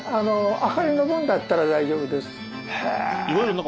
明かりの分だったら大丈夫です。